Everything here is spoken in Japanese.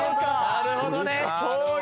なるほどね。